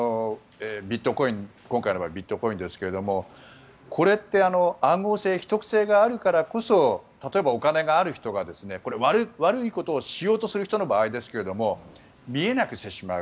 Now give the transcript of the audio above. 今回の場合はビットコインですがこれって暗号性、秘匿性があるからこそ例えばお金がある人がこれ、悪いことをしようとする人の場合ですが見えなくしてしまう。